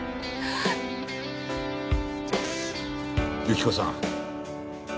由紀子さん。